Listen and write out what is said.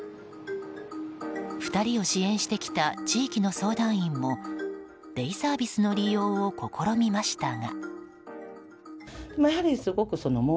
２人を支援してきた地域の相談員もデイサービスの利用を試みましたが。